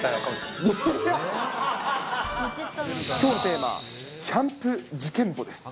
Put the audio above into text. きょうのテーマ、キャンプ事件簿です。